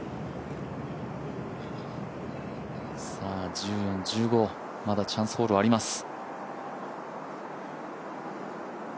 １４、１５、まだチャンスホールはあります。